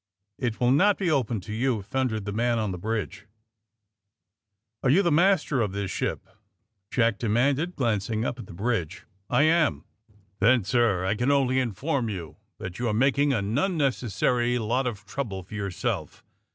'*It will not be opened to you!" thundered the man on the bridge. AND THE SMUGGLEES 211 Are you the master of this shipT' Jack de* manded, glancing up at the bridge. ''I am.'' V^Then, sir, I can only inform you that you are making an unnecessary lot of trouble for yourself.